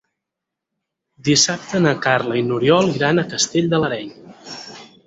Dissabte na Carla i n'Oriol iran a Castell de l'Areny.